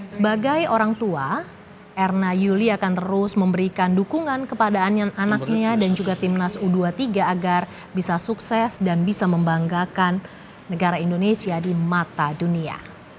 sebagai orang tua erna yuli akan terus memberikan dukungan kepada anaknya dan juga timnas u dua puluh tiga agar bisa sukses dan bisa membanggakan negara indonesia di mata dunia